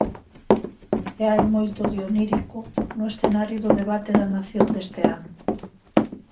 E hai moito de onírico no escenario do debate da nación deste ano.